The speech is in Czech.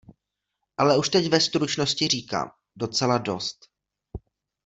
Ale už teď ve stručnosti říkám: docela dost!